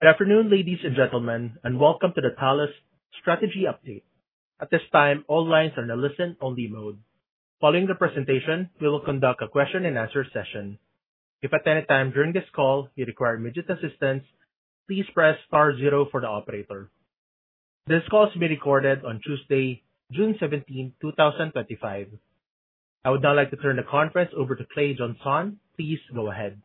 Good afternoon, ladies and gentlemen, and welcome to the Talos Strategy Update. At this time, all lines are in a listen-only mode. Following the presentation, we will conduct a question-and-answer session. If at any time during this call you require immediate assistance, please press *0 for the operator. This call is being recorded on Tuesday, June 17, 2025. I would now like to turn the conference over to Clay Jeansonne. Please go ahead.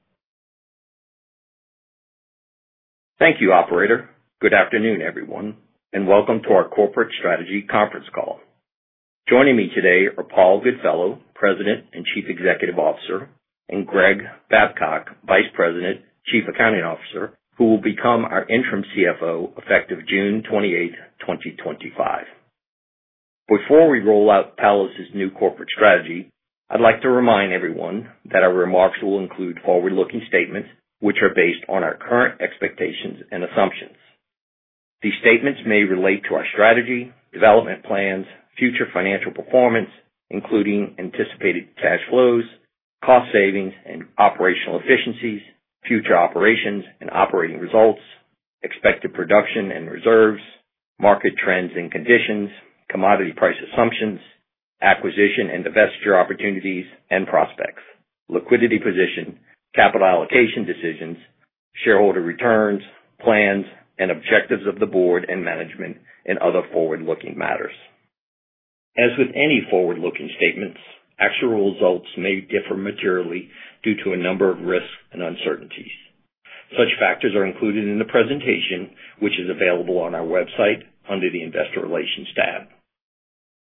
Thank you, Operator. Good afternoon, everyone, and welcome to our Corporate Strategy Conference Call. Joining me today are Paul Goodfellow, President and Chief Executive Officer, and Greg Babcock, Vice President, Chief Accounting Officer, who will become our Interim CFO effective June 28, 2025. Before we roll out Talos' new Corporate Strategy, I'd like to remind everyone that our remarks will include forward-looking statements which are based on our current expectations and assumptions. These statements may relate to our strategy, development plans, future financial performance, including anticipated cash flows, cost savings and operational efficiencies, future operations and operating results, expected production and reserves, market trends and conditions, commodity price assumptions, acquisition and investor opportunities and prospects, liquidity position, capital allocation decisions, shareholder returns, plans and objectives of the board and management, and other forward-looking matters. As with any forward-looking statements, actual results may differ materially due to a number of risks and uncertainties. Such factors are included in the presentation, which is available on our website under the Investor Relations tab.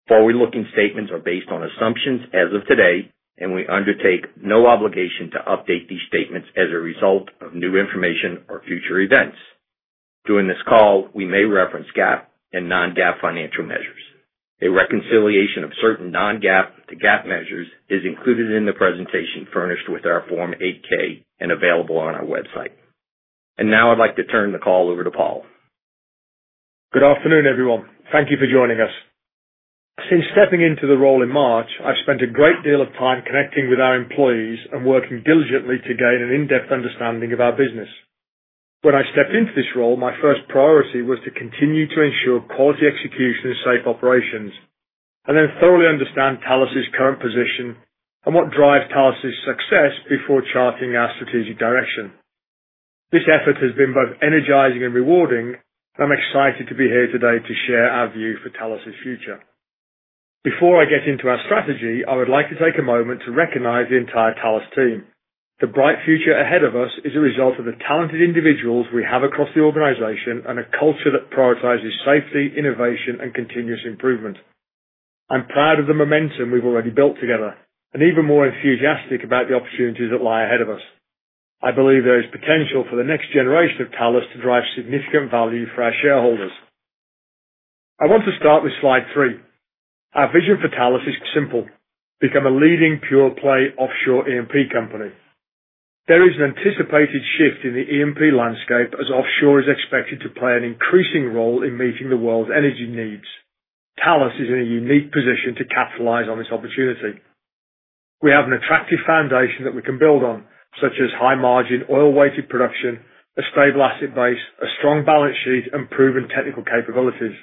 Forward-looking statements are based on assumptions as of today, and we undertake no obligation to update these statements as a result of new information or future events. During this call, we may reference GAAP and non-GAAP financial measures. A reconciliation of certain non-GAAP to GAAP measures is included in the presentation furnished with our Form 8-K and available on our website. I would like to turn the call over to Paul. Good afternoon, everyone. Thank you for joining us. Since stepping into the role in March, I've spent a great deal of time connecting with our employees and working diligently to gain an in-depth understanding of our business. When I stepped into this role, my first priority was to continue to ensure quality execution and safe operations. I then thoroughly understand Talos' current position and what drives Talos' success before charting our strategic direction. This effort has been both energizing and rewarding, and I'm excited to be here today to share our view for Talos' future. Before I get into our strategy, I would like to take a moment to recognize the entire Talos team. The bright future ahead of us is a result of the talented individuals we have across the organization and a culture that prioritizes safety, innovation, and continuous improvement. I'm proud of the momentum we've already built together and even more enthusiastic about the opportunities that lie ahead of us. I believe there is potential for the next generation of Talos to drive significant value for our shareholders. I want to start with slide three. Our vision for Talos is simple: become a leading pure-play offshore E&P company. There is an anticipated shift in the E&P landscape as offshore is expected to play an increasing role in meeting the world's energy needs. Talos is in a unique position to capitalize on this opportunity. We have an attractive foundation that we can build on, such as high-margin oil-weighted production, a stable asset base, a strong balance sheet, and proven technical capabilities.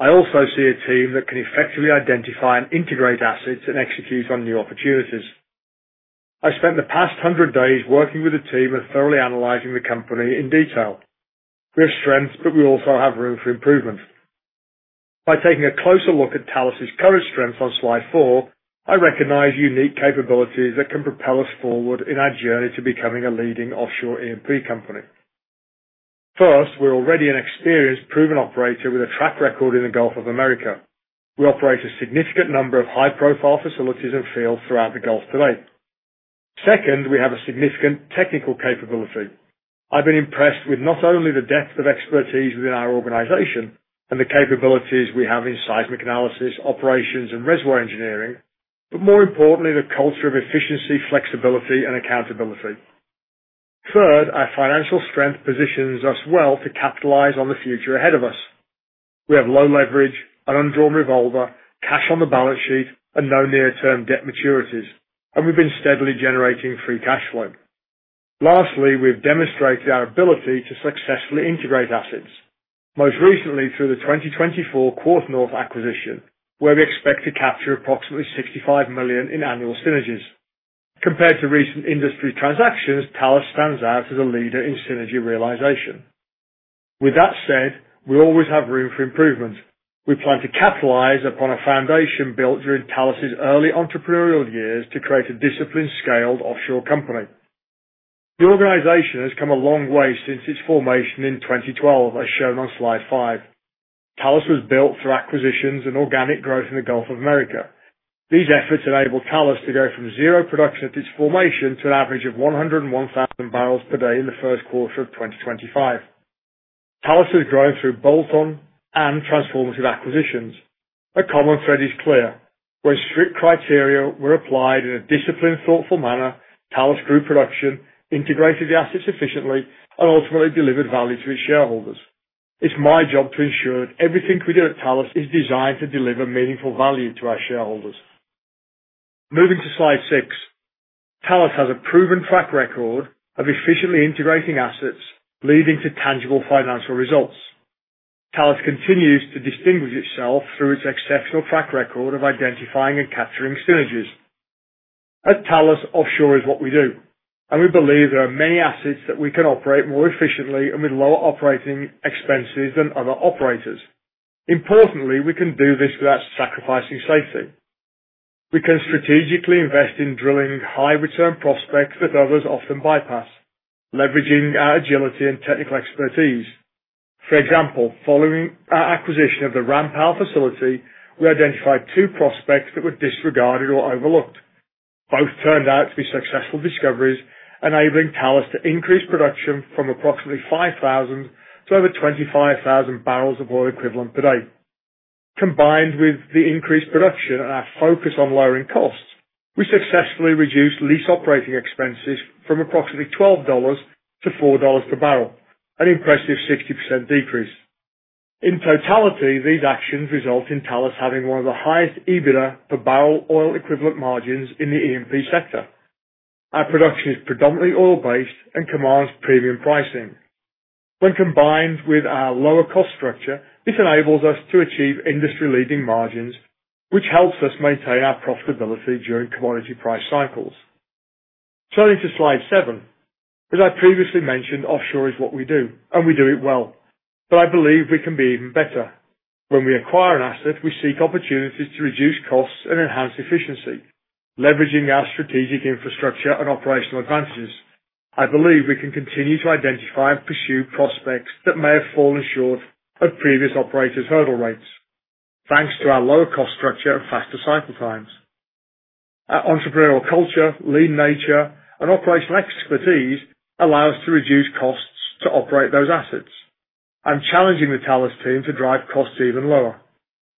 I also see a team that can effectively identify and integrate assets and execute on new opportunities. I spent the past 100 days working with the team and thoroughly analyzing the company in detail. We have strengths, but we also have room for improvement. By taking a closer look at Talos' current strengths on slide four, I recognize unique capabilities that can propel us forward in our journey to becoming a leading offshore E&P company. First, we're already an experienced, proven operator with a track record in the Gulf of Mexico. We operate a significant number of high-profile facilities and fields throughout the Gulf today. Second, we have a significant technical capability. I've been impressed with not only the depth of expertise within our organization and the capabilities we have in seismic analysis, operations, and reservoir engineering, but more importantly, the culture of efficiency, flexibility, and accountability. Third, our financial strength positions us well to capitalize on the future ahead of us. We have low leverage, an undrawn revolver, cash on the balance sheet, and no near-term debt maturities, and we've been steadily generating free cash flow. Lastly, we've demonstrated our ability to successfully integrate assets, most recently through the 2024 QuarterNorth acquisition, where we expect to capture approximately $65 million in annual synergies. Compared to recent industry transactions, Talos stands out as a leader in synergy realization. With that said, we always have room for improvement. We plan to capitalize upon a foundation built during Talos' early entrepreneurial years to create a disciplined, scaled offshore company. The organization has come a long way since its formation in 2012, as shown on slide five. Talos was built through acquisitions and organic growth in the Gulf of Mexico. These efforts enabled Talos to go from zero production at its formation to an average of 101,000 barrels per day in the First Quarter of 2025. Talos has grown through bolt-on and transformative acquisitions. A common thread is clear: when strict criteria were applied in a disciplined, thoughtful manner, Talos grew production, integrated the assets efficiently, and ultimately delivered value to its shareholders. It's my job to ensure that everything we do at Talos is designed to deliver meaningful value to our shareholders. Moving to slide six, Talos has a proven track record of efficiently integrating assets, leading to tangible financial results. Talos continues to distinguish itself through its exceptional track record of identifying and capturing synergies. At Talos, offshore is what we do, and we believe there are many assets that we can operate more efficiently and with lower operating expenses than other operators. Importantly, we can do this without sacrificing safety. We can strategically invest in drilling high-return prospects that others often bypass, leveraging our agility and technical expertise. For example, following our acquisition of the Ram-Pow facility, we identified two prospects that were disregarded or overlooked. Both turned out to be successful discoveries, enabling Talos to increase production from approximately 5,000 to over 25,000 barrels of oil equivalent per day. Combined with the increased production and our focus on lowering costs, we successfully reduced lease operating expenses from approximately $12 to $4 per barrel, an impressive 60% decrease. In totality, these actions result in Talos having one of the highest EBITDA per barrel oil equivalent margins in the E&P sector. Our production is predominantly oil-based and commands premium pricing. When combined with our lower cost structure, this enables us to achieve industry-leading margins, which helps us maintain our profitability during commodity price cycles. Turning to slide seven, as I previously mentioned, offshore is what we do, and we do it well, but I believe we can be even better. When we acquire an asset, we seek opportunities to reduce costs and enhance efficiency, leveraging our strategic infrastructure and operational advantages. I believe we can continue to identify and pursue prospects that may have fallen short of previous operators' hurdle rates, thanks to our lower cost structure and faster cycle times. Our entrepreneurial culture, lean nature, and operational expertise allow us to reduce costs to operate those assets. I'm challenging the Talos team to drive costs even lower.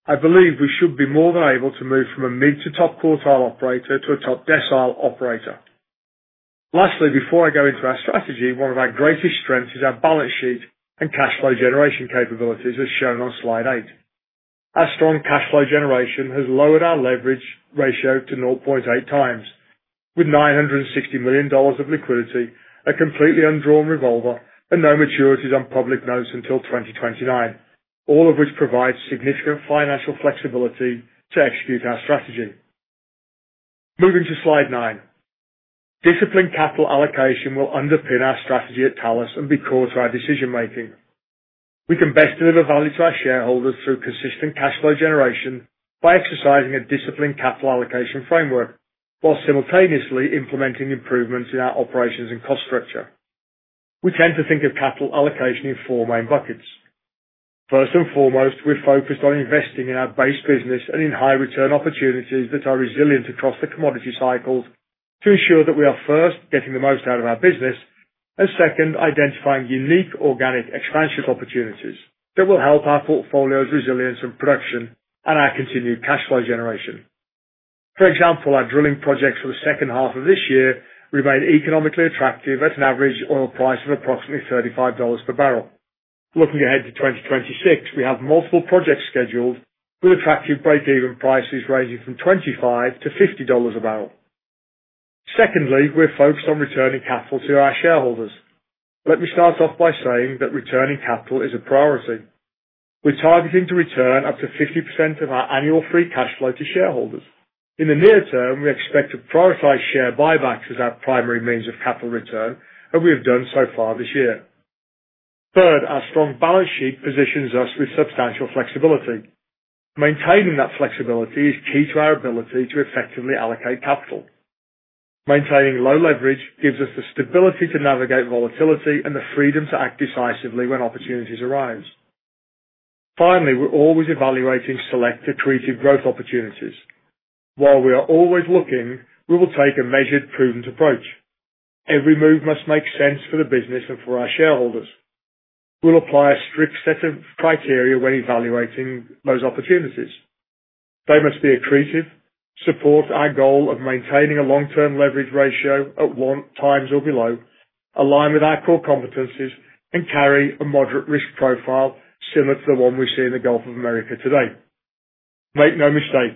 I believe we should be more than able to move from a mid-to-top quartile operator to a top decile operator. Lastly, before I go into our strategy, one of our greatest strengths is our balance sheet and cash flow generation capabilities, as shown on slide eight. Our strong cash flow generation has lowered our leverage ratio to 0.8 times, with $960 million of liquidity, a completely un-drawn revolver, and no maturities on public notes until 2029, all of which provides significant financial flexibility to execute our strategy. Moving to slide nine, disciplined capital allocation will underpin our strategy at Talos and be core to our decision-making. We can best deliver value to our shareholders through consistent cash flow generation by exercising a disciplined capital allocation framework while simultaneously implementing improvements in our operations and cost structure. We tend to think of capital allocation in four main buckets. First and foremost, we're focused on investing in our base business and in high-return opportunities that are resilient across the commodity cycles to ensure that we are, first, getting the most out of our business, and second, identifying unique organic expansion opportunities that will help our portfolio's resilience and production and our continued cash flow generation. For example, our drilling projects for the second half of this year remain economically attractive at an average oil price of approximately $35 per barrel. Looking ahead to 2026, we have multiple projects scheduled with attractive break-even prices ranging from $25-$50 a barrel. Secondly, we're focused on returning capital to our shareholders. Let me start off by saying that returning capital is a priority. We're targeting to return up to 50% of our annual free cash flow to shareholders. In the near term, we expect to prioritize share buybacks as our primary means of capital return, and we have done so far this year. Third, our strong balance sheet positions us with substantial flexibility. Maintaining that flexibility is key to our ability to effectively allocate capital. Maintaining low leverage gives us the stability to navigate volatility and the freedom to act decisively when opportunities arise. Finally, we're always evaluating select accretive growth opportunities. While we are always looking, we will take a measured, prudent approach. Every move must make sense for the business and for our shareholders. We'll apply a strict set of criteria when evaluating those opportunities. They must be accretive, support our goal of maintaining a long-term leverage ratio at one times or below, align with our core competencies, and carry a moderate risk profile similar to the one we see in the Gulf of Mexico today. Make no mistake,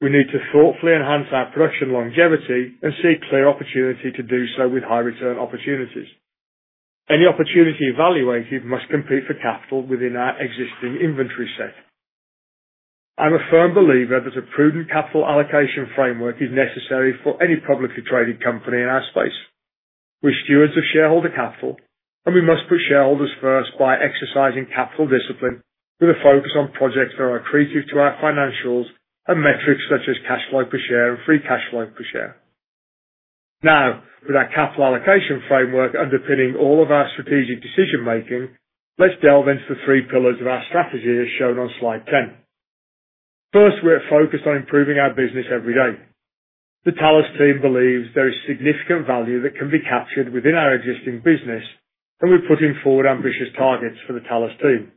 we need to thoughtfully enhance our production longevity and see clear opportunity to do so with high-return opportunities. Any opportunity evaluated must compete for capital within our existing inventory set. I'm a firm believer that a prudent capital allocation framework is necessary for any publicly traded company in our space. We're stewards of shareholder capital, and we must put shareholders first by exercising capital discipline with a focus on projects that are accretive to our financials and metrics such as cash flow per share and free cash flow per share. Now, with our capital allocation framework underpinning all of our strategic decision-making, let's delve into the three pillars of our strategy as shown on slide 10. First, we're focused on improving our business every day. The Talos team believes there is significant value that can be captured within our existing business, and we're putting forward ambitious targets for the Talos team.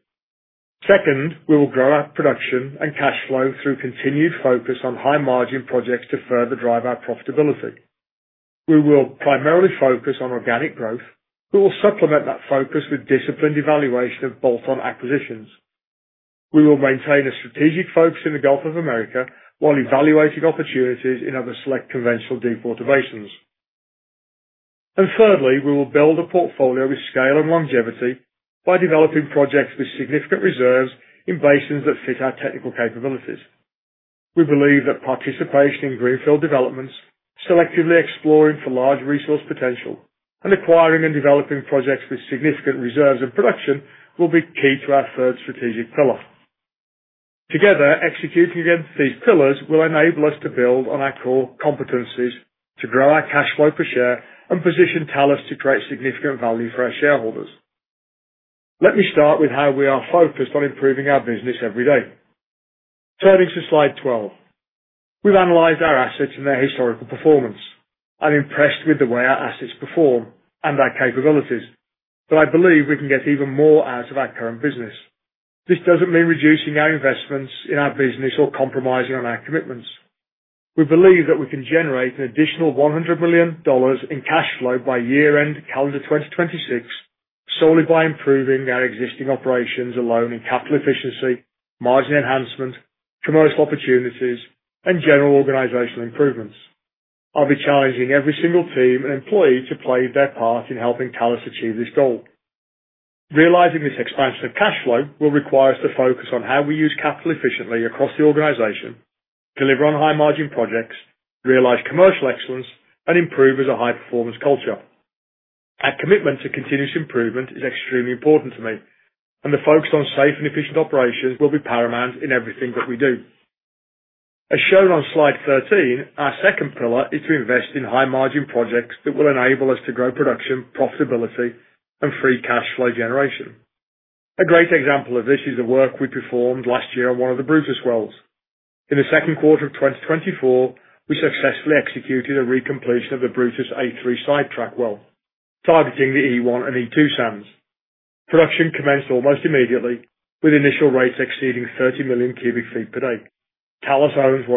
Second, we will grow our production and cash flow through continued focus on high-margin projects to further drive our profitability. We will primarily focus on organic growth, but we'll supplement that focus with disciplined evaluation of bolt-on acquisitions. We will maintain a strategic focus in the Gulf of Mexico while evaluating opportunities in other select conventional deep motivations. Thirdly, we will build a portfolio with scale and longevity by developing projects with significant reserves in basins that fit our technical capabilities. We believe that participation in greenfield developments, selectively exploring for large resource potential, and acquiring and developing projects with significant reserves and production will be key to our Third Strategic Pillar. Together, executing against these pillars will enable us to build on our core competencies to grow our cash flow per share and position Talos to create significant value for our shareholders. Let me start with how we are focused on improving our business every day. Turning to slide 12, we've analyzed our assets and their historical performance. I'm impressed with the way our assets perform and our capabilities, but I believe we can get even more out of our current business. This doesn't mean reducing our investments in our business or compromising on our commitments. We believe that we can generate an additional $100 million in cash flow by year-end, calendar 2026, solely by improving our existing operations alone in capital efficiency, margin enhancement, commercial opportunities, and general organizational improvements. I'll be challenging every single team and employee to play their part in helping Talos achieve this goal. Realizing this expansion of cash flow will require us to focus on how we use capital efficiently across the organization, deliver on high-margin projects, realize commercial excellence, and improve as a high-performance culture. Our commitment to continuous improvement is extremely important to me, and the focus on safe and efficient operations will be paramount in everything that we do. As shown on slide 13, our second pillar is to invest in high-margin projects that will enable us to grow production, profitability, and free cash flow generation. A great example of this is the work we performed last year on one of the Brutus wells. In the second quarter of 2024, we successfully executed a recompletion of the Brutus A-3 sidetrack well, targeting the E1 and E2 sands. Production commenced almost immediately, with initial rates exceeding 30 million cubic feet per day. Talos owns 100%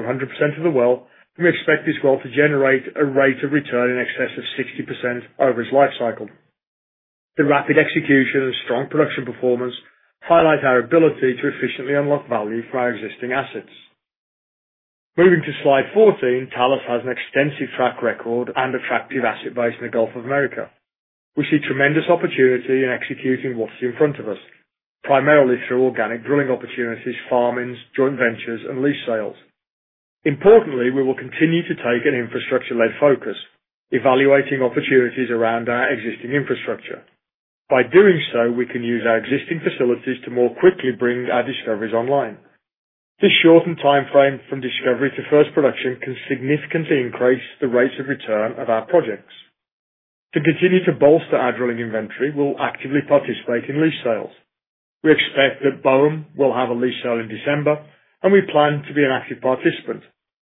of the well, and we expect this well to generate a rate of return in excess of 60% over its life cycle. The rapid execution and strong production performance highlight our ability to efficiently unlock value from our existing assets. Moving to slide 14, Talos has an extensive track record and attractive asset base in the Gulf of Mexico. We see tremendous opportunity in executing what's in front of us, primarily through organic drilling opportunities, farmings, joint ventures, and lease sales. Importantly, we will continue to take an infrastructure-led focus, evaluating opportunities around our existing infrastructure. By doing so, we can use our existing facilities to more quickly bring our discoveries online. This shortened timeframe from discovery to first production can significantly increase the rates of return of our projects. To continue to bolster our drilling inventory, we'll actively participate in lease sales. We expect that BOEM will have a lease sale in December, and we plan to be an active participant.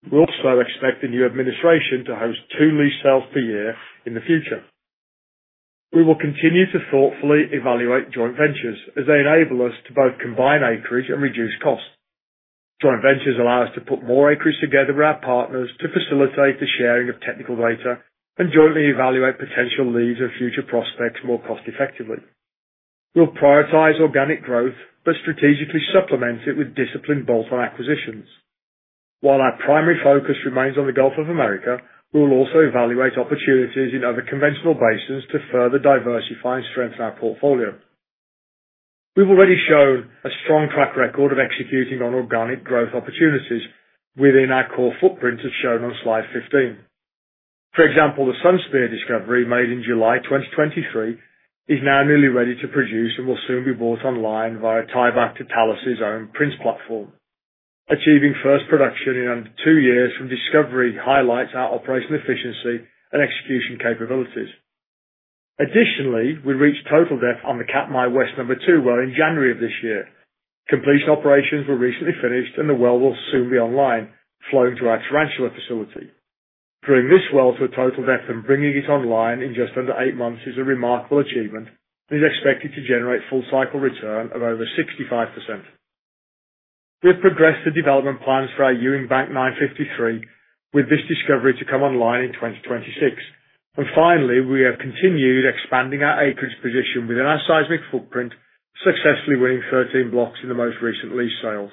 We also expect the new administration to host two lease sales per year in the future. We will continue to thoughtfully evaluate joint ventures as they enable us to both combine acreage and reduce costs. Joint ventures allow us to put more acreage together with our partners to facilitate the sharing of technical data and jointly evaluate potential leads and future prospects more cost-effectively. We'll prioritize organic growth but strategically supplement it with disciplined bolt-on acquisitions. While our primary focus remains on the Gulf of Mexico, we will also evaluate opportunities in other conventional basins to further diversify and strengthen our portfolio. We've already shown a strong track record of executing on organic growth opportunities within our core footprint as shown on slide 15. For example, the Sunspear discovery made in July 2023 is now nearly ready to produce and will soon be brought online via tieback to Talos' own Prince platform. Achieving first production in under two years from discovery highlights our operational efficiency and execution capabilities. Additionally, we reached total depth on the Capella West No. 2 well in January of this year. Completion operations were recently finished, and the well will soon be online, flowing to our Tarantula facility. Bringing this well to a total depth and bringing it online in just under eight months is a remarkable achievement and is expected to generate full cycle return of over 65%. We have progressed the development plans for our Ewing Bank 953 with this discovery to come online in 2026. Finally, we have continued expanding our acreage position within our seismic footprint, successfully winning 13 blocks in the most recent lease sales.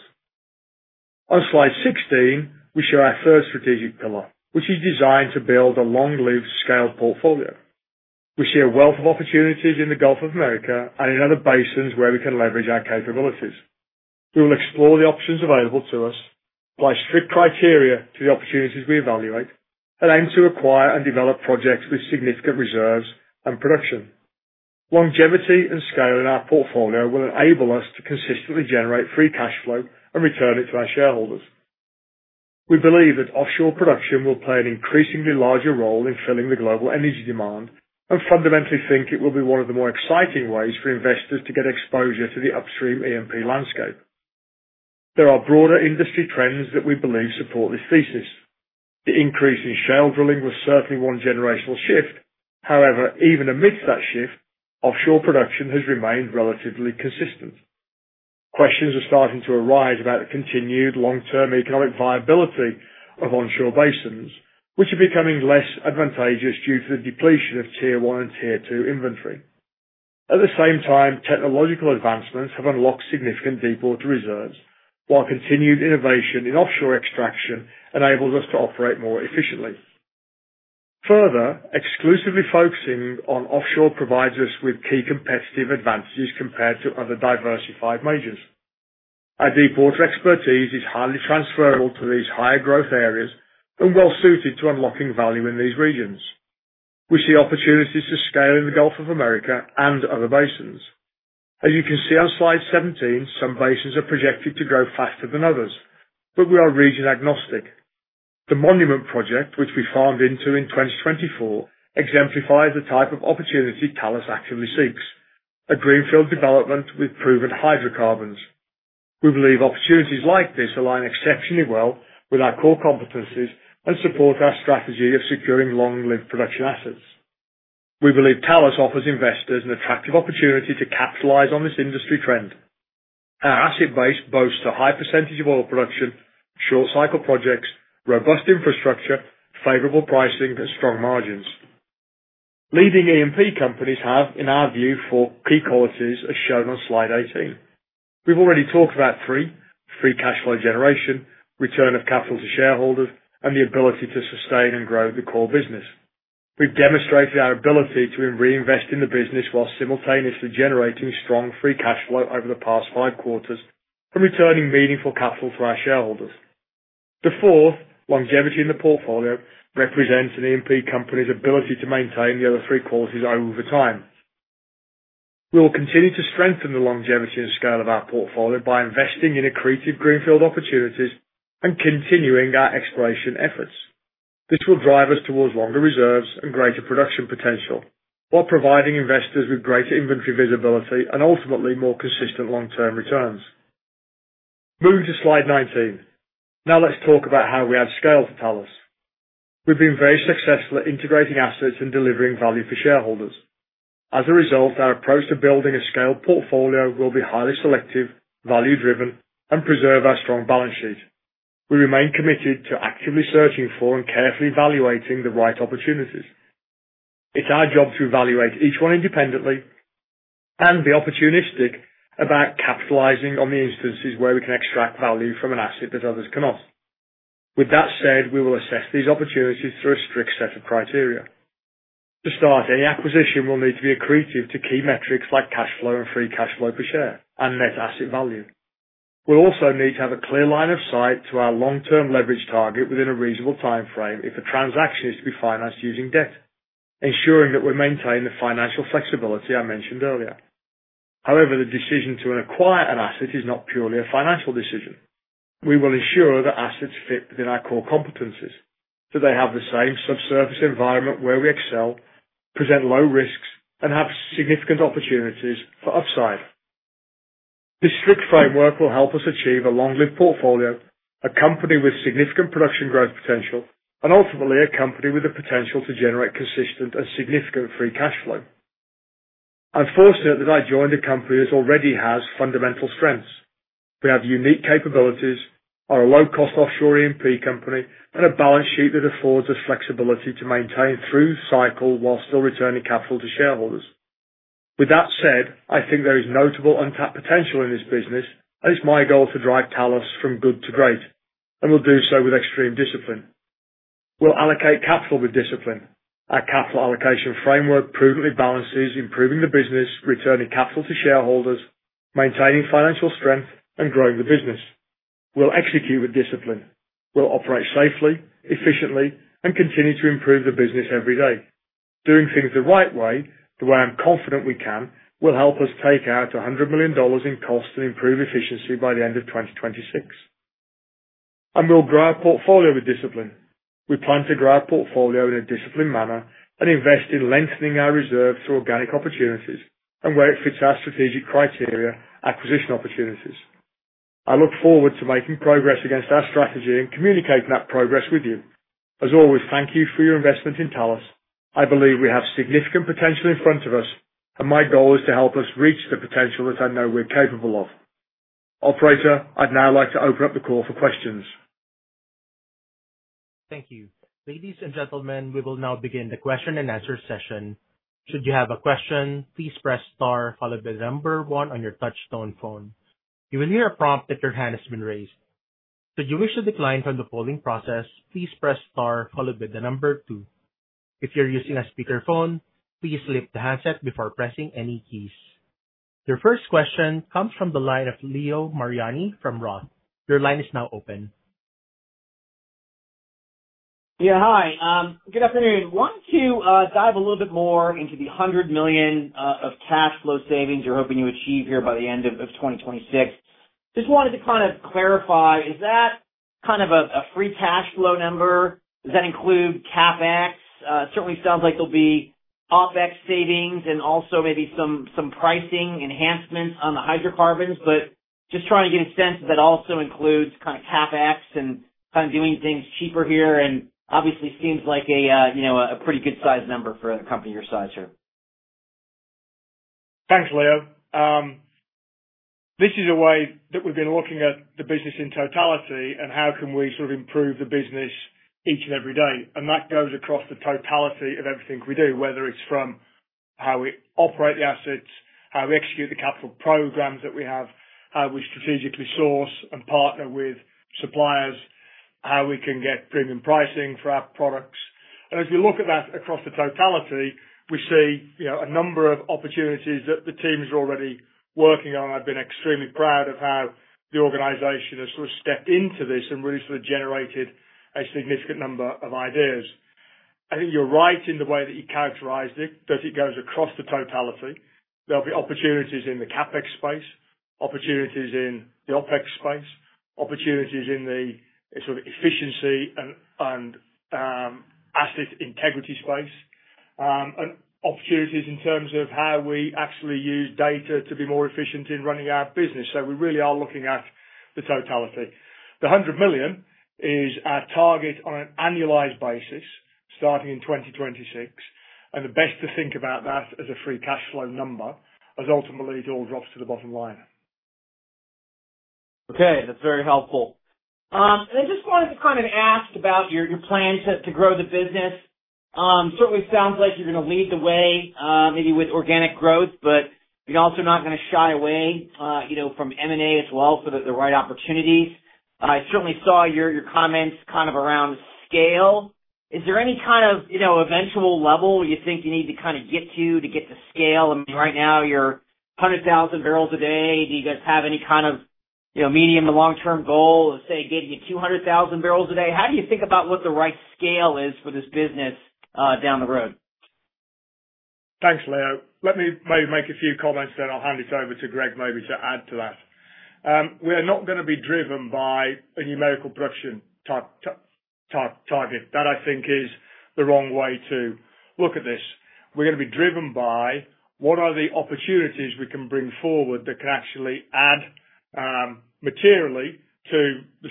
On slide 16, we show our Third Strategic Pillar, which is designed to build a long-lived scale portfolio. We see a wealth of opportunities in the Gulf of Mexico and in other basins where we can leverage our capabilities. We will explore the options available to us, apply strict criteria to the opportunities we evaluate, and aim to acquire and develop projects with significant reserves and production. Longevity and scale in our portfolio will enable us to consistently generate free cash flow and return it to our shareholders. We believe that offshore production will play an increasingly larger role in filling the global energy demand and fundamentally think it will be one of the more exciting ways for investors to get exposure to the upstream E&P landscape. There are broader industry trends that we believe support this thesis. The increase in shale drilling was certainly one generational shift. However, even amidst that shift, offshore production has remained relatively consistent. Questions are starting to arise about the continued long-term economic viability of onshore basins, which are becoming less advantageous due to the depletion of tier one and tier two inventory. At the same time, technological advancements have unlocked significant deepwater reserves, while continued innovation in offshore extraction enables us to operate more efficiently. Further, exclusively focusing on offshore provides us with key competitive advantages compared to other diversified majors. Our deepwater expertise is highly transferable to these higher growth areas and well-suited to unlocking value in these regions. We see opportunities to scale in the Gulf of Mexico and other basins. As you can see on slide 17, some basins are projected to grow faster than others, but we are region-agnostic. The Monument project, which we farmed into in 2024, exemplifies the type of opportunity Talos actively seeks: a greenfield development with proven hydrocarbons. We believe opportunities like this align exceptionally well with our core competencies and support our strategy of securing long-lived production assets. We believe Talos offers investors an attractive opportunity to capitalize on this industry trend. Our asset base boasts a high percentage of oil production, short-cycle projects, robust infrastructure, favorable pricing, and strong margins. Leading E&P companies have, in our view, four key qualities as shown on slide 18. We've already talked about three: free cash flow generation, return of capital to shareholders, and the ability to sustain and grow the core business. We've demonstrated our ability to reinvest in the business while simultaneously generating strong free cash flow over the past five quarters and returning meaningful capital to our shareholders. The fourth, longevity in the portfolio, represents an E&P company's ability to maintain the other three qualities over time. We will continue to strengthen the longevity and scale of our portfolio by investing in accretive greenfield opportunities and continuing our exploration efforts. This will drive us towards longer reserves and greater production potential while providing investors with greater inventory visibility and ultimately more consistent long-term returns. Moving to slide 19, now let's talk about how we add scale to Talos. We've been very successful at integrating assets and delivering value for shareholders. As a result, our approach to building a scale portfolio will be highly selective, value-driven, and preserve our strong balance sheet. We remain committed to actively searching for and carefully evaluating the right opportunities. It's our job to evaluate each one independently and be opportunistic about capitalizing on the instances where we can extract value from an asset that others cannot. With that said, we will assess these opportunities through a strict set of criteria. To start, any acquisition will need to be accretive to key metrics like cash flow and free cash flow per share and net asset value. We'll also need to have a clear line of sight to our long-term leverage target within a reasonable timeframe if a transaction is to be financed using debt, ensuring that we maintain the financial flexibility I mentioned earlier. However, the decision to acquire an asset is not purely a financial decision. We will ensure that assets fit within our core competencies, that they have the same subsurface environment where we excel, present low risks, and have significant opportunities for upside. This strict framework will help us achieve a long-lived portfolio, a company with significant production growth potential, and ultimately a company with the potential to generate consistent and significant free cash flow. I'm fortunate that I joined a company that already has fundamental strengths. We have unique capabilities, are a low-cost offshore E&P company, and a balance sheet that affords us flexibility to maintain through cycle while still returning capital to shareholders. With that said, I think there is notable untapped potential in this business, and it's my goal to drive Talos from good to great, and we'll do so with extreme discipline. We'll allocate capital with discipline. Our capital allocation framework prudently balances improving the business, returning capital to shareholders, maintaining financial strength, and growing the business. We'll execute with discipline. We'll operate safely, efficiently, and continue to improve the business every day. Doing things the right way, the way I'm confident we can, will help us take out $100 million in cost and improve efficiency by the end of 2026. We'll grow our portfolio with discipline. We plan to grow our portfolio in a disciplined manner and invest in lengthening our reserves through organic opportunities and where it fits our strategic criteria: acquisition opportunities. I look forward to making progress against our strategy and communicating that progress with you. As always, thank you for your investment in Talos. I believe we have significant potential in front of us, and my goal is to help us reach the potential that I know we're capable of. Operator, I'd now like to open up the call for questions. Thank you. Ladies and gentlemen, we will now begin the question and answer session. Should you have a question, please press star followed by the number 1 on your touchstone phone. You will hear a prompt that your hand has been raised. Should you wish to decline from the polling process, please press star followed by the number 2. If you're using a speakerphone, please lift the handset before pressing any keys. Your first question comes from the line of Leo Mariani from Roth. Your line is now open. Yeah, hi. Good afternoon. Want to dive a little bit more into the $100 million of cash flow savings you're hoping you achieve here by the end of 2026. Just wanted to kind of clarify, is that kind of a free cash flow number? Does that include CapEx? Certainly sounds like there'll be OpEx savings and also maybe some pricing enhancements on the hydrocarbons, but just trying to get a sense that also includes kind of CapEx and kind of doing things cheaper here, and obviously seems like a pretty good size number for a company your size here. Thanks, Leo. This is a way that we've been looking at the business in totality and how can we sort of improve the business each and every day. That goes across the totality of everything we do, whether it's from how we operate the assets, how we execute the capital programs that we have, how we strategically source and partner with suppliers, how we can get premium pricing for our products. As we look at that across the totality, we see a number of opportunities that the teams are already working on. I've been extremely proud of how the organization has sort of stepped into this and really sort of generated a significant number of ideas. I think you're right in the way that you characterized it, that it goes across the totality. There'll be opportunities in the CapEx space, opportunities in the OpEx space, opportunities in the sort of efficiency and asset integrity space, and opportunities in terms of how we actually use data to be more efficient in running our business. We really are looking at the totality. The $100 million is our target on an annualized basis starting in 2026, and the best to think about that as a free cash flow number as ultimately it all drops to the bottom line. Okay, that's very helpful. I just wanted to kind of ask about your plans to grow the business. Certainly sounds like you're going to lead the way maybe with organic growth, but you're also not going to shy away from M&A as well for the right opportunities. I certainly saw your comments kind of around scale. Is there any kind of eventual level you think you need to kind of get to to get to scale? I mean, right now you're 100,000 barrels a day. Do you guys have any kind of medium to long-term goal of, say, getting to 200,000 barrels a day? How do you think about what the right scale is for this business down the road? Thanks, Leo. Let me maybe make a few comments then I'll hand it over to Greg maybe to add to that. We are not going to be driven by a numerical production target. That I think is the wrong way to look at this. We're going to be driven by what are the opportunities we can bring forward that can actually add materially to the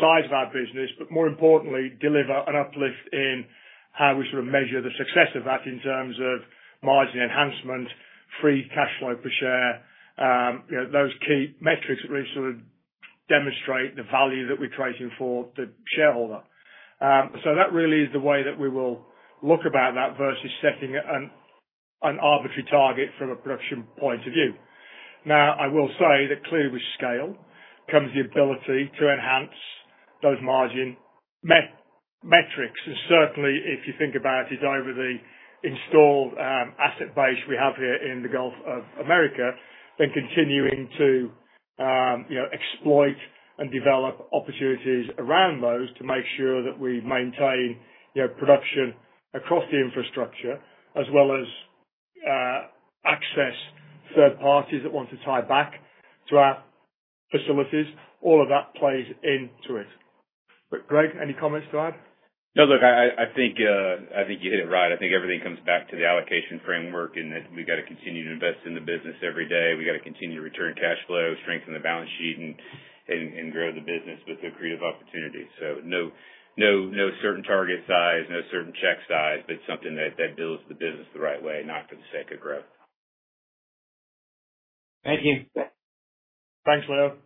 size of our business, but more importantly, deliver an uplift in how we sort of measure the success of that in terms of margin enhancement, free cash flow per share, those key metrics that really sort of demonstrate the value that we're creating for the shareholder. That really is the way that we will look about that versus setting an arbitrary target from a production point of view. Now, I will say that clearly with scale comes the ability to enhance those margin metrics. If you think about it over the installed asset base we have here in the Gulf of Mexico, continuing to exploit and develop opportunities around those to make sure that we maintain production across the infrastructure as well as access third parties that want to tie back to our facilities. All of that plays into it. Greg, any comments to add? No, look, I think you hit it right. I think everything comes back to the allocation framework and that we have to continue to invest in the business every day. We have to continue to return cash flow, strengthen the balance sheet, and grow the business with accretive opportunities. No certain target size, no certain check size, but something that builds the business the right way, not for the sake of growth. Thank you. Thanks, Leo.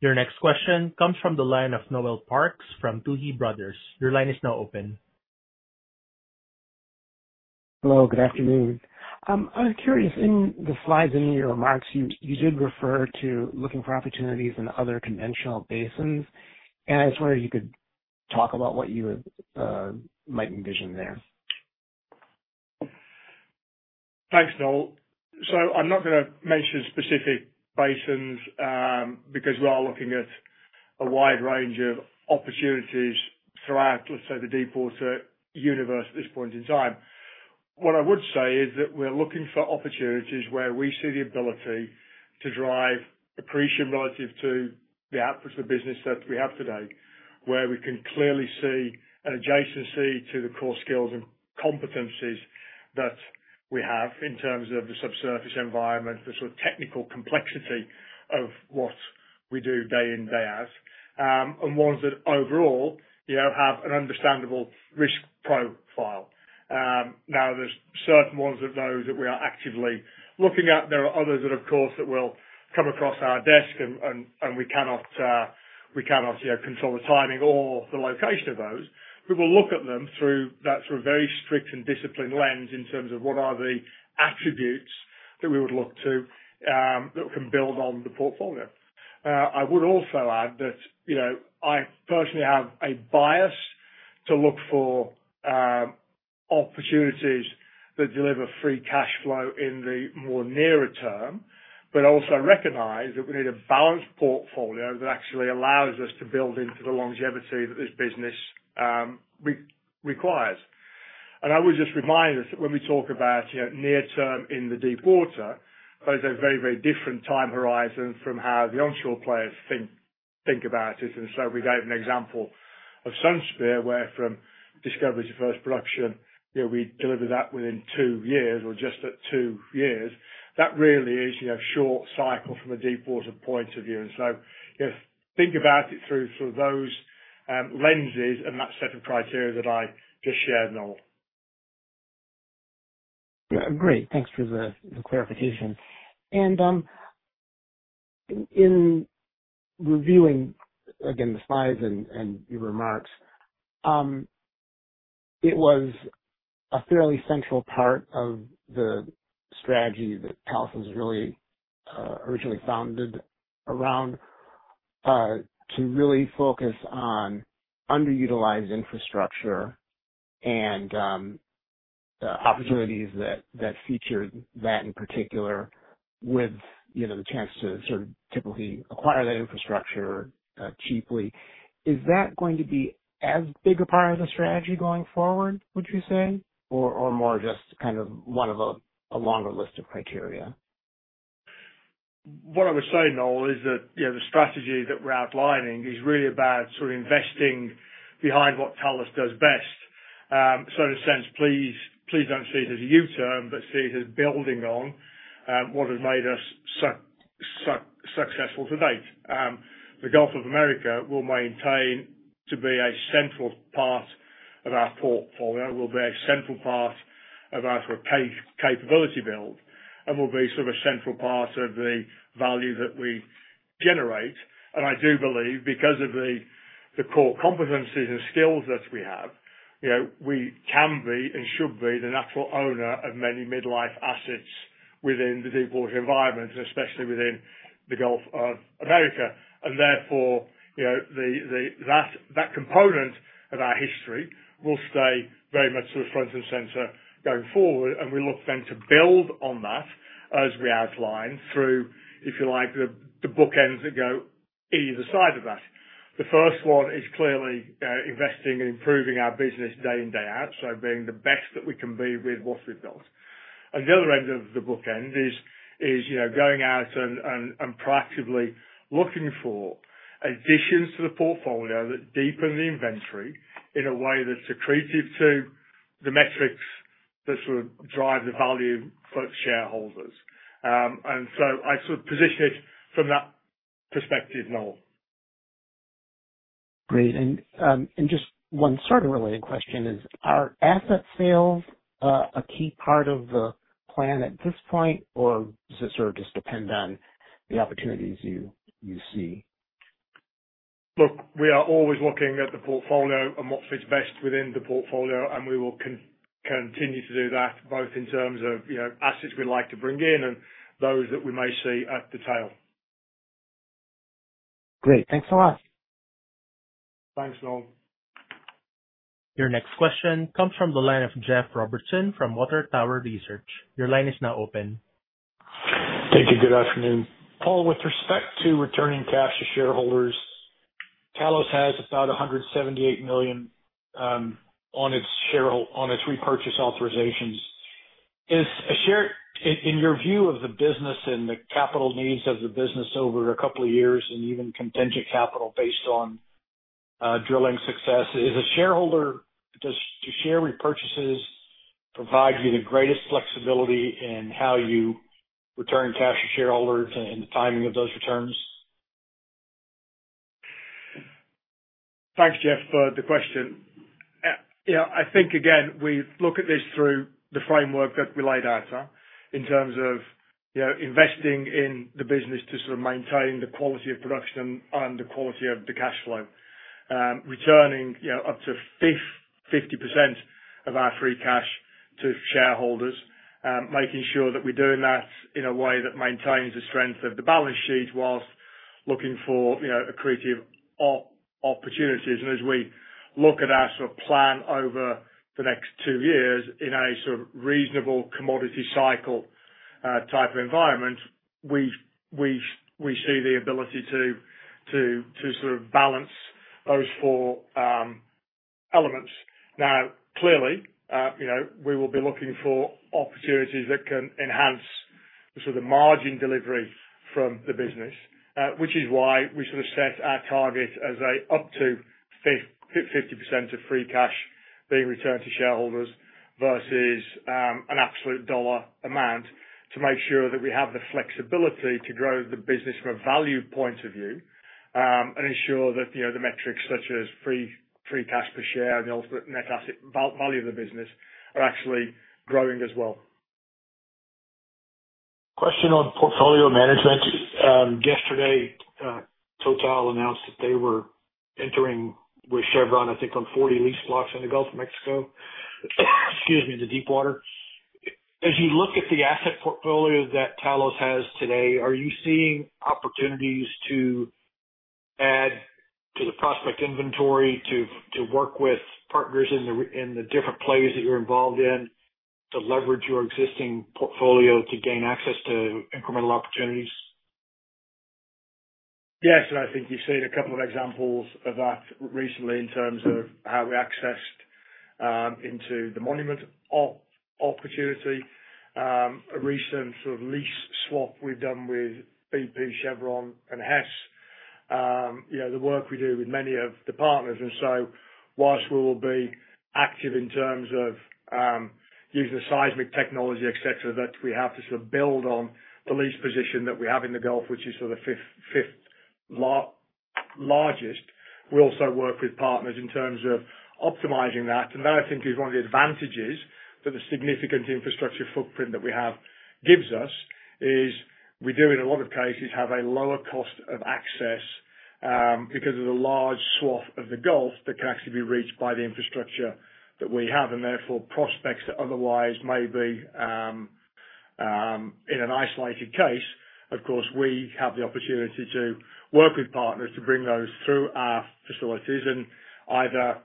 Your next question comes from the line of Noel Parks from Tuohy Brothers. Your line is now open. Hello, good afternoon. I was curious, in the slides and in your remarks, you did refer to looking for opportunities in other conventional basins, and I just wondered if you could talk about what you might envision there. Thanks, Noel. I am not going to mention specific basins because we are looking at a wide range of opportunities throughout, let's say, the deepwater universe at this point in time. What I would say is that we're looking for opportunities where we see the ability to drive accretion relative to the output of the business that we have today, where we can clearly see an adjacency to the core skills and competencies that we have in terms of the subsurface environment, the sort of technical complexity of what we do day in, day out, and ones that overall have an understandable risk profile. Now, there are certain ones that we are actively looking at. There are others that, of course, will come across our desk and we cannot control the timing or the location of those. We will look at them through that sort of very strict and disciplined lens in terms of what are the attributes that we would look to that can build on the portfolio. I would also add that I personally have a bias to look for opportunities that deliver free cash flow in the more nearer term, but also recognize that we need a balanced portfolio that actually allows us to build into the longevity that this business requires. I would just remind us that when we talk about near-term in the deepwater, those are very, very different time horizons from how the onshore players think about it. We gave an example of Sunspear where from discovery to first production, we deliver that within 2 years or just at 2 years. That really is a short cycle from a deepwater point of view. Think about it through those lenses and that set of criteria that I just shared, Noel. Great. Thanks for the clarification. In reviewing, again, the slides and your remarks, it was a fairly central part of the strategy that Talos was really originally founded around to really focus on underutilized infrastructure and opportunities that featured that in particular with the chance to sort of typically acquire that infrastructure cheaply. Is that going to be as big a part of the strategy going forward, would you say, or more just kind of one of a longer list of criteria? What I would say, Noel, is that the strategy that we're outlining is really about sort of investing behind what Talos does best. In a sense, please don't see it as a U-turn, but see it as building on what has made us successful to date. The Gulf of Mexico will maintain to be a central part of our portfolio, will be a central part of our sort of capability build, and will be sort of a central part of the value that we generate. I do believe because of the core competencies and skills that we have, we can be and should be the natural owner of many midlife assets within the deepwater environment, and especially within the Gulf of Mexico. Therefore, that component of our history will stay very much sort of front and center going forward. We look then to build on that as we outline through, if you like, the bookends that go either side of that. The first one is clearly investing and improving our business day in, day out, so being the best that we can be with what we've built. The other end of the bookend is going out and proactively looking for additions to the portfolio that deepen the inventory in a way that's accretive to the metrics that sort of drive the value for shareholders. I sort of position it from that perspective, Noel. Great. Just one sort of related question is, are asset sales a key part of the plan at this point, or does it sort of just depend on the opportunities you see? Look, we are always looking at the portfolio and what fits best within the portfolio, and we will continue to do that both in terms of assets we'd like to bring in and those that we may see at the tail. Great. Thanks a lot. Thanks, Noel. Your next question comes from the line of Jeff Robertson from Water Tower Research. Your line is now open. Thank you. Good afternoon. Paul, with respect to returning cash to shareholders, Talos has about $178 million on its repurchase authorizations. In your view of the business and the capital needs of the business over a couple of years and even contingent capital based on drilling success, does shareholder repurchases provide you the greatest flexibility in how you return cash to shareholders and the timing of those returns? Thanks, Jeff, for the question. I think, again, we look at this through the framework that we laid out in terms of investing in the business to sort of maintain the quality of production and the quality of the cash flow, returning up to 50% of our free cash to shareholders, making sure that we're doing that in a way that maintains the strength of the balance sheet whilst looking for accretive opportunities. As we look at our sort of plan over the next two years in a sort of reasonable commodity cycle type of environment, we see the ability to sort of balance those four elements. Now, clearly, we will be looking for opportunities that can enhance the margin delivery from the business, which is why we sort of set our target as up to 50% of free cash being returned to shareholders versus an absolute dollar amount to make sure that we have the flexibility to grow the business from a value point of view and ensure that the metrics such as free cash per share and the ultimate net asset value of the business are actually growing as well. Question on portfolio management. Yesterday, TotalEnergies announced that they were entering with Chevron, I think, on 40 lease blocks in the Gulf of Mexico, excuse me, the deepwater. As you look at the asset portfolio that Talos has today, are you seeing opportunities to add to the prospect inventory, to work with partners in the different plays that you're involved in to leverage your existing portfolio to gain access to incremental opportunities? Yes. I think you've seen a couple of examples of that recently in terms of how we accessed into the monument opportunity, a recent sort of lease swap we've done with BP, Chevron, and Hess, the work we do with many of the partners. Whilst we will be active in terms of using the seismic technology, etc., that we have to sort of build on the lease position that we have in the Gulf, which is sort of the fifth largest, we also work with partners in terms of optimizing that. That, I think, is one of the advantages that the significant infrastructure footprint that we have gives us. We do, in a lot of cases, have a lower cost of access because of the large swath of the Gulf that can actually be reached by the infrastructure that we have and therefore prospects that otherwise may be in an isolated case. Of course, we have the opportunity to work with partners to bring those through our facilities and either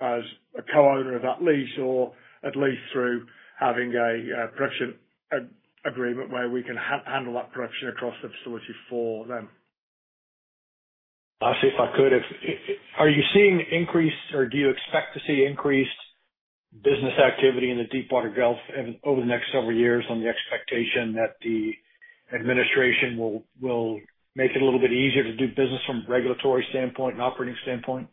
as a co-owner of that lease or at least through having a production agreement where we can handle that production across the facility for them. I'll see if I could. Are you seeing increased or do you expect to see increased business activity in the deepwater Gulf over the next several years on the expectation that the administration will make it a little bit easier to do business from a regulatory standpoint and operating standpoint?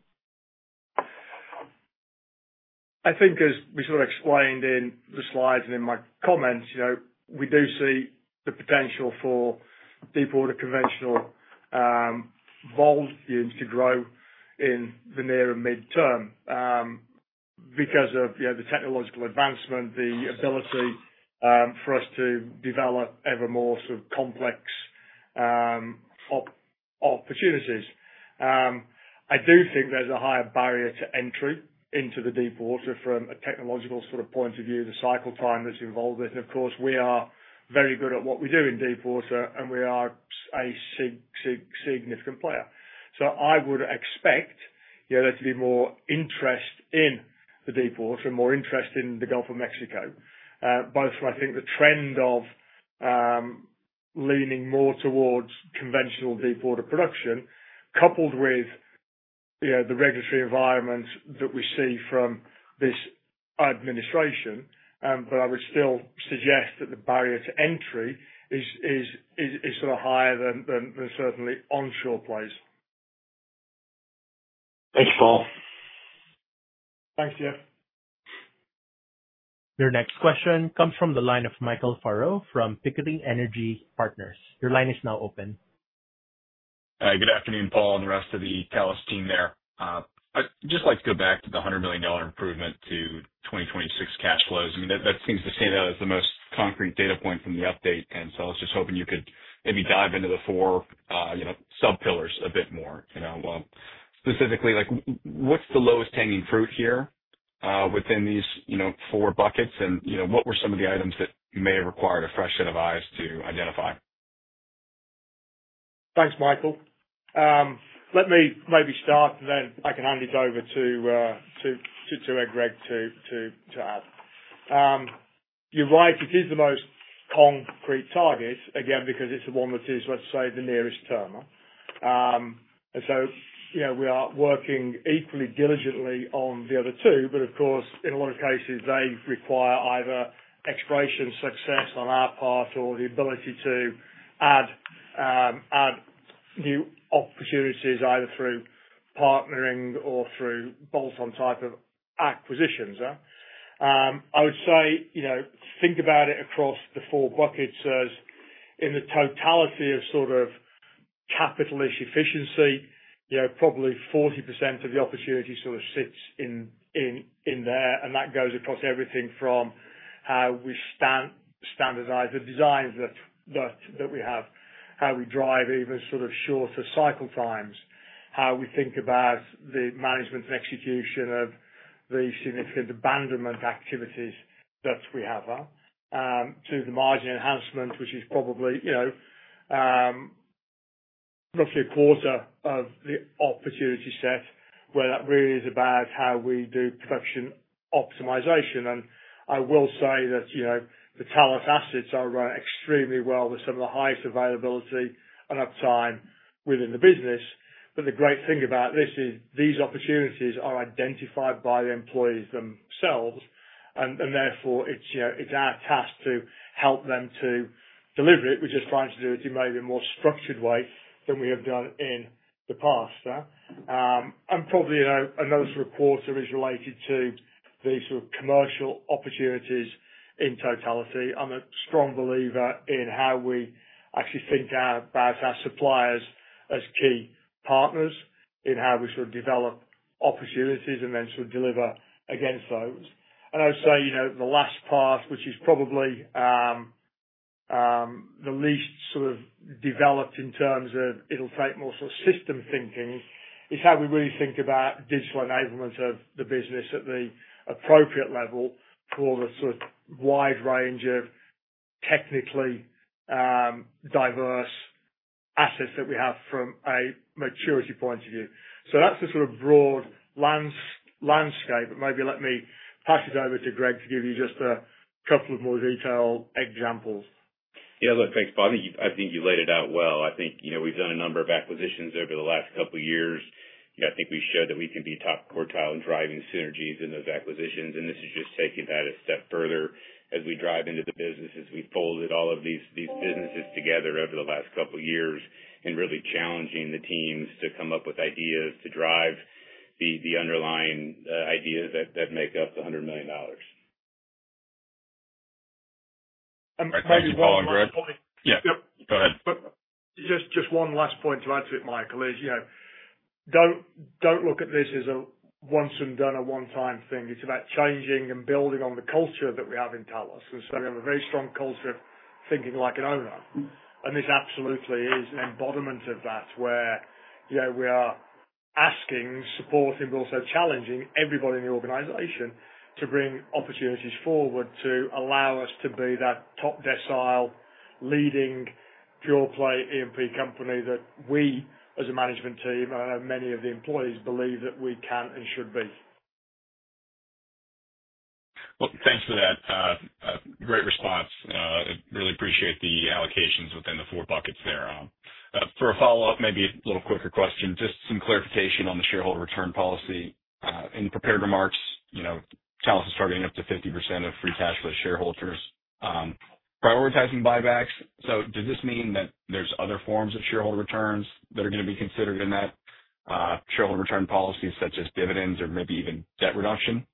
I think, as we sort of explained in the slides and in my comments, we do see the potential for deepwater conventional volumes to grow in the near midterm because of the technological advancement, the ability for us to develop ever more sort of complex opportunities. I do think there's a higher barrier to entry into the deepwater from a technological sort of point of view, the cycle time that's involved in. Of course, we are very good at what we do in deepwater, and we are a significant player. I would expect there to be more interest in the deepwater and more interest in the Gulf of Mexico, both from, I think, the trend of leaning more towards conventional deepwater production coupled with the regulatory environment that we see from this administration. I would still suggest that the barrier to entry is sort of higher than certainly onshore plays. Thanks, Paul. Thanks, Jeff. Your next question comes from the line of Michael Furrow from Pickering Energy Partners. Your line is now open. Good afternoon, Paul, and the rest of the Talos team there. I'd just like to go back to the $100 million improvement to 2026 cash flows. I mean, that seems to stand out as the most concrete data point from the update. I was just hoping you could maybe dive into the four sub pillars a bit more. Specifically, what's the lowest hanging fruit here within these four buckets, and what were some of the items that may have required a fresh set of eyes to identify? Thanks, Michael. Let me maybe start, and then I can hand it over to Greg to add. You're right. It is the most concrete target, again, because it's the one that is, let's say, the nearest term. We are working equally diligently on the other two. Of course, in a lot of cases, they require either exploration success on our part or the ability to add new opportunities either through partnering or through bolt-on type of acquisitions. I would say think about it across the four buckets as in the totality of sort of capital efficiency, probably 40% of the opportunity sort of sits in there. That goes across everything from how we standardize the designs that we have, how we drive even sort of shorter cycle times, how we think about the management and execution of the significant abandonment activities that we have, to the margin enhancement, which is probably roughly a quarter of the opportunity set where that really is about how we do production optimization. I will say that the Talos assets are run extremely well with some of the highest availability and uptime within the business. The great thing about this is these opportunities are identified by the employees themselves, and therefore, it's our task to help them to deliver it. We're just trying to do it in maybe a more structured way than we have done in the past. Probably another sort of quarter is related to the sort of commercial opportunities in totality. I'm a strong believer in how we actually think about our suppliers as key partners in how we sort of develop opportunities and then sort of deliver against those. I would say the last part, which is probably the least sort of developed in terms of it'll take more sort of system thinking, is how we really think about digital enablement of the business at the appropriate level for the sort of wide range of technically diverse assets that we have from a maturity point of view. That's the sort of broad landscape. Maybe let me pass it over to Greg to give you just a couple of more detailed examples. Yeah. Look, thanks, Paul. I think you laid it out well. I think we've done a number of acquisitions over the last couple of years. I think we've showed that we can be top quartile in driving synergies in those acquisitions. This has just taken that a step further as we drive into the businesses, we've folded all of these businesses together over the last couple of years and really challenging the teams to come up with ideas to drive the underlying ideas that make up the $100 million. Maybe one more point. Yeah. Go ahead. Just one last point to add to it, Michael, is don't look at this as a once and done, a one-time thing. It's about changing and building on the culture that we have in Talos. We have a very strong culture of thinking like an owner. This absolutely is an embodiment of that where we are asking, supporting, but also challenging everybody in the organization to bring opportunities forward to allow us to be that top decile, leading pure-play E&P company that we, as a management team, and many of the employees believe that we can and should be. Thanks for that. Great response. I really appreciate the allocations within the four buckets there. For a follow-up, maybe a little quicker question, just some clarification on the shareholder return policy. In the prepared remarks, Talos is targeting up to 50% of free cash for the shareholders, prioritizing buybacks. Does this mean that there's other forms of shareholder returns that are going to be considered in that shareholder return policy, such as dividends or maybe even debt reduction?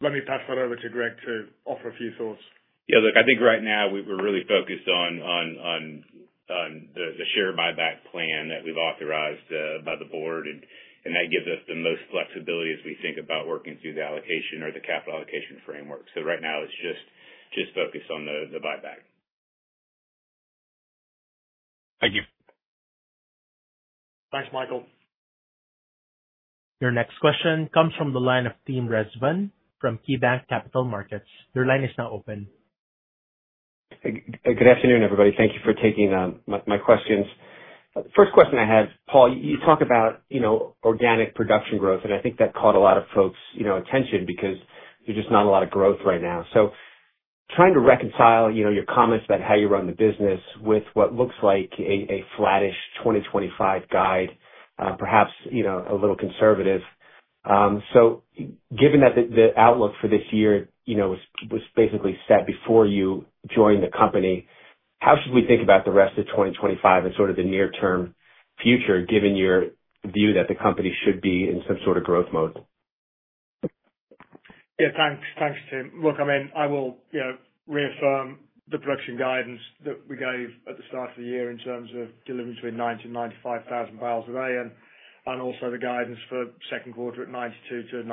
Let me pass that over to Greg to offer a few thoughts. Yeah. Look, I think right now we're really focused on the share buyback plan that we've authorized by the board. And that gives us the most flexibility as we think about working through the allocation or the capital allocation framework. So right now, it's just focused on the buyback. Thank you. Thanks, Michael. Your next question comes from the line of Tim Rezvan from KeyBanc Capital Markets. Your line is now open. Good afternoon, everybody. Thank you for taking my questions. First question I have, Paul, you talk about organic production growth, and I think that caught a lot of folks' attention because there's just not a lot of growth right now. So trying to reconcile your comments about how you run the business with what looks like a flattish 2025 guide, perhaps a little conservative. Given that the outlook for this year was basically set before you joined the company, how should we think about the rest of 2025 and sort of the near-term future, given your view that the company should be in some sort of growth mode? Yeah. Thanks, Tim. Look, I mean, I will reaffirm the production guidance that we gave at the start of the year in terms of delivering between 90 and 95 thousand barrels a day and also the guidance for Second Quarter at 92-96.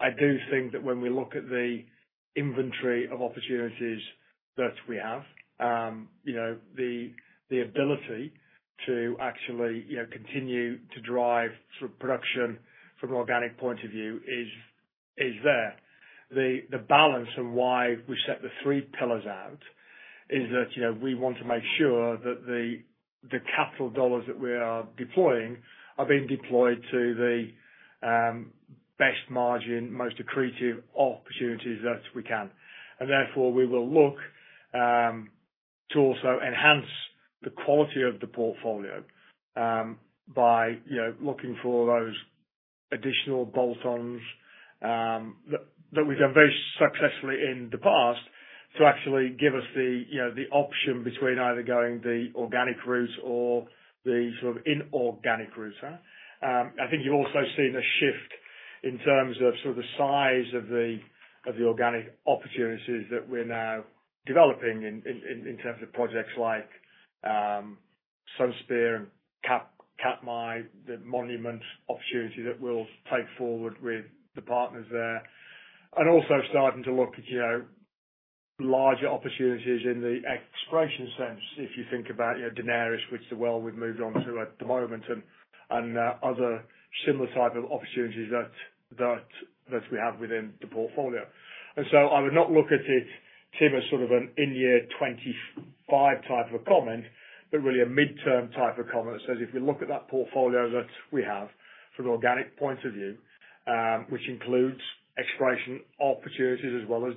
I do think that when we look at the inventory of opportunities that we have, the ability to actually continue to drive sort of production from an organic point of view is there. The balance and why we set the three pillars out is that we want to make sure that the capital dollars that we are deploying are being deployed to the best margin, most accretive opportunities that we can. Therefore, we will look to also enhance the quality of the portfolio by looking for those additional bolt-ons that we've done very successfully in the past to actually give us the option between either going the organic route or the sort of inorganic route. I think you've also seen a shift in terms of sort of the size of the organic opportunities that we're now developing in terms of projects like Sunspear [cap might], the Monument opportunity that we'll take forward with the partners there. Also starting to look at larger opportunities in the exploration sense, if you think about Daenerys, which is the well we have moved on to at the moment, and other similar type of opportunities that we have within the portfolio. I would not look at it, Tim, as sort of an in-year 2025 type of a comment, but really a midterm type of comment that says, if we look at that portfolio that we have from an organic point of view, which includes exploration opportunities as well as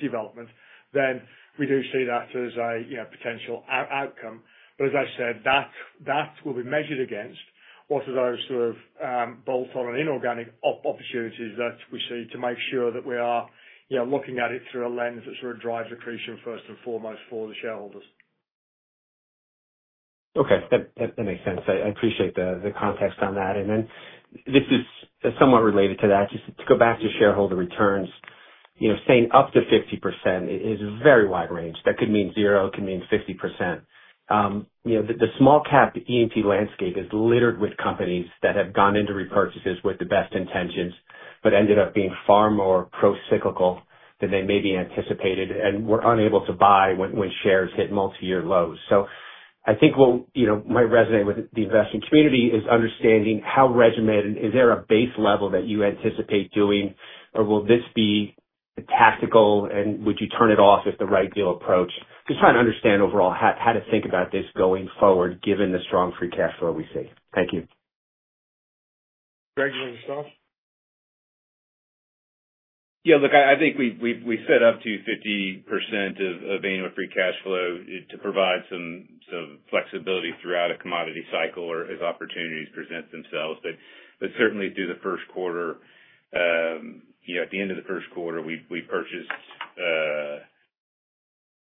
development, then we do see that as a potential outcome. As I said, that will be measured against what are those sort of bolt-on and inorganic opportunities that we see to make sure that we are looking at it through a lens that sort of drives accretion first and foremost for the shareholders. Okay. That makes sense. I appreciate the context on that. This is somewhat related to that. Just to go back to shareholder returns, saying up to 50% is a very wide range. That could mean zero. It could mean 50%. The small-cap E&P landscape is littered with companies that have gone into repurchases with the best intentions but ended up being far more pro-cyclical than they maybe anticipated and were unable to buy when shares hit multi-year lows. I think what might resonate with the investment community is understanding how regimented is there a base level that you anticipate doing, or will this be tactical, and would you turn it off if the right deal approached? Just trying to understand overall how to think about this going forward, given the strong free cash flow we see. Thank you. Greg, you want to start? Yeah. Look, I think we set up to 50% of annual free cash flow to provide some flexibility throughout a commodity cycle or as opportunities present themselves. Certainly, through the first quarter, at the end of the first quarter, we purchased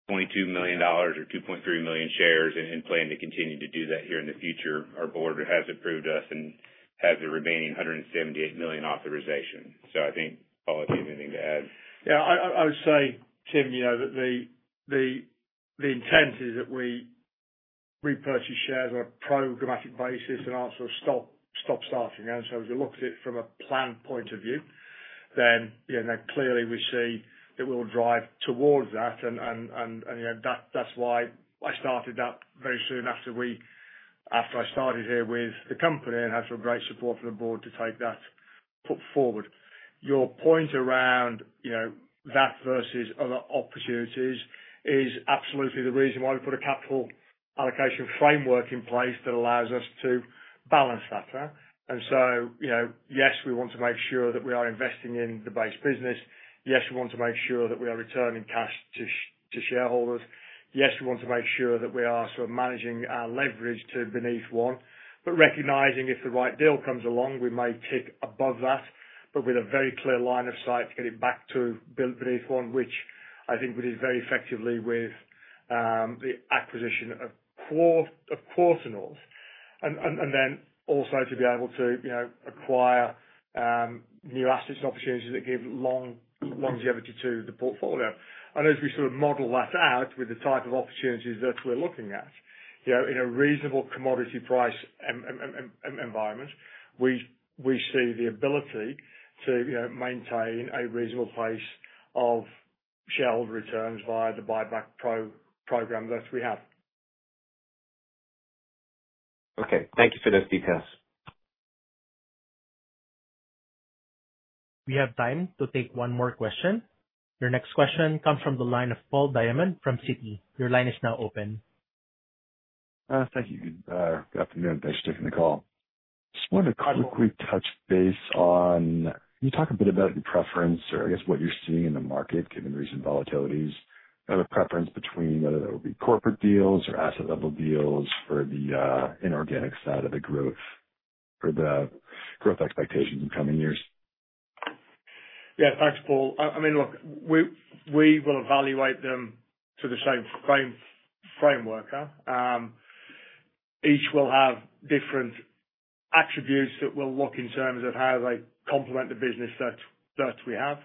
$22 million or $2.3 million shares and plan to continue to do that here in the future. Our board has approved us and has the remaining $178 million authorization. I think, Paul, if you have anything to add. Yeah. I would say, Tim, that the intent is that we repurchase shares on a programmatic basis and also stop starting. If you look at it from a plan point of view, then clearly we see that we will drive towards that. That is why I started that very soon after I started here with the company and had some great support from the board to take that forward. Your point around that versus other opportunities is absolutely the reason why we put a capital allocation framework in place that allows us to balance that. Yes, we want to make sure that we are investing in the base business. Yes, we want to make sure that we are returning cash to shareholders. Yes, we want to make sure that we are sort of managing our leverage to beneath one. Recognizing if the right deal comes along, we may tick above that, but with a very clear line of sight to get it back to beneath one, which I think we did very effectively with the acquisition of QuarterNorth. Also to be able to acquire new assets and opportunities that give longevity to the portfolio. As we sort of model that out with the type of opportunities that we are looking at in a reasonable commodity price environment, we see the ability to maintain a reasonable pace of shareholder returns via the buyback program that we have. Okay. Thank you for those details. We have time to take one more question. Your next question comes from the line of Paul Diamond from Citi. Your line is now open. Thank you. Good afternoon. Thanks for taking the call. Just wanted to quickly touch base on, can you talk a bit about your preference or, I guess, what you are seeing in the market given recent volatilities? A preference between whether that would be corporate deals or asset-level deals for the inorganic side of the growth for the growth expectations in coming years? Yeah. Thanks, Paul. I mean, look, we will evaluate them to the same framework. Each will have different attributes that we'll look in terms of how they complement the business that we have.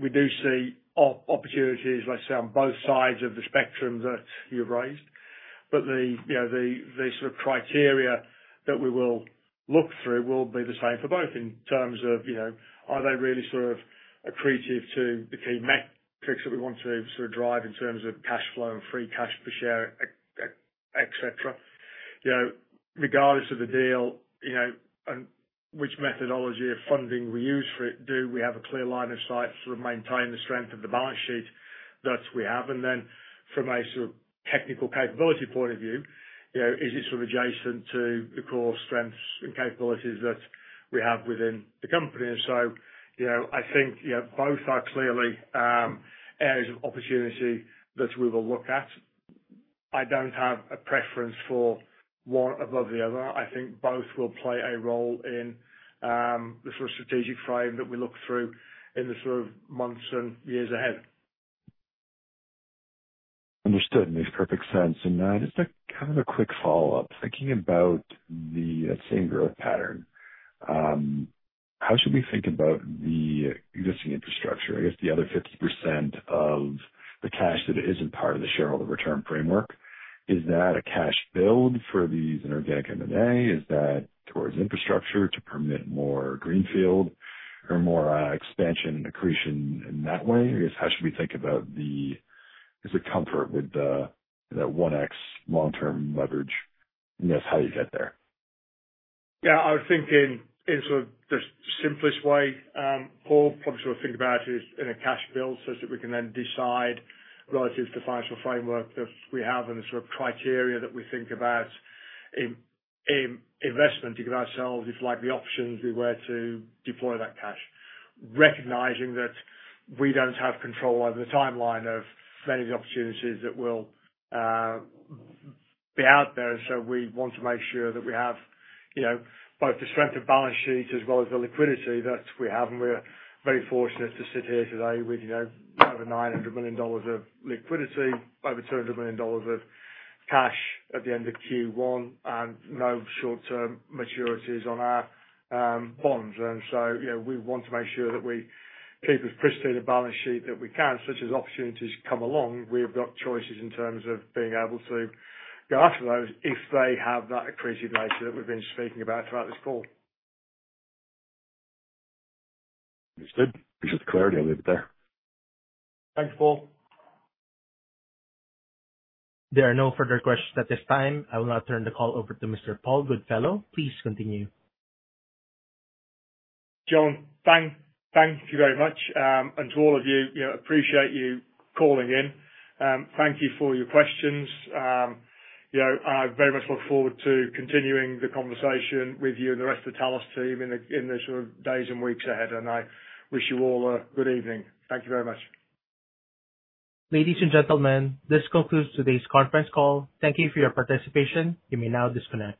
We do see opportunities, let's say, on both sides of the spectrum that you've raised. The sort of criteria that we will look through will be the same for both in terms of, are they really sort of accretive to the key metrics that we want to sort of drive in terms of cash flow and free cash per share, etc.? Regardless of the deal and which methodology of funding we use for it, do we have a clear line of sight to maintain the strength of the balance sheet that we have? From a sort of technical capability point of view, is it sort of adjacent to the core strengths and capabilities that we have within the company? I think both are clearly areas of opportunity that we will look at. I do not have a preference for one above the other. I think both will play a role in the sort of strategic frame that we look through in the sort of months and years ahead. Understood. Makes perfect sense. Just kind of a quick follow-up. Thinking about the same growth pattern, how should we think about the existing infrastructure? I guess the other 50% of the cash that is not part of the shareholder return framework, is that a cash build for these inorganic M&A? Is that towards infrastructure to permit more greenfield or more expansion accretion in that way? I guess, how should we think about the comfort with that 1x long-term leverage? Yes, how do you get there? Yeah. I was thinking in sort of the simplest way. Paul probably sort of think about it in a cash build such that we can then decide relative to the financial framework that we have and the sort of criteria that we think about investment to give ourselves if the options we were to deploy that cash, recognizing that we do not have control over the timeline of many of the opportunities that will be out there. We want to make sure that we have both the strength of balance sheet as well as the liquidity that we have. We are very fortunate to sit here today with over $900 million of liquidity, over $200 million of cash at the end of Q1, and no short-term maturities on our bonds. We want to make sure that we keep as pristine a balance sheet that we can. Such as opportunities come along, we've got choices in terms of being able to go after those if they have that accretive nature that we've been speaking about throughout this call. Understood. Appreciate the clarity. I'll leave it there. Thanks, Paul. There are no further questions at this time. I will now turn the call over to Mr. Paul Goodfellow. Please continue. John, thank you very much. And to all of you, appreciate you calling in. Thank you for your questions. I very much look forward to continuing the conversation with you and the rest of the Talos team in the sort of days and weeks ahead. I wish you all a good evening. Thank you very much. Ladies and gentlemen, this concludes today's conference call. Thank you for your participation. You may now disconnect.